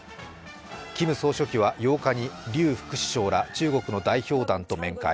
キム総書記は８日に劉副首相ら中国の代表団と面会。